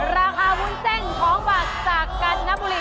ราคาวุ้นเส้นของฝากจากการจนบุรี